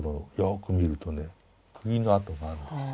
くぎのあとがあるんですよ。